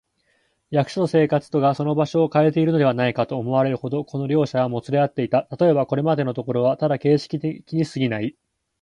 役所と生活とがその場所をかえているのではないか、と思われるほど、この両者はもつれ合っていた。たとえば、これまでのところはただ形式的にすぎない、